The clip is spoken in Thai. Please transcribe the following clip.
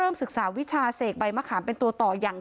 เป็นพระรูปนี้เหมือนเคี้ยวเหมือนกำลังทำปากขมิบท่องกระถาอะไรสักอย่าง